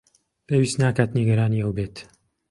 پێویست ناکات نیگەرانی ئەو بێت.